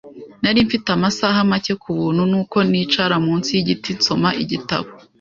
Nari mfite amasaha make ku buntu, nuko nicara munsi yigiti nsoma igitabo.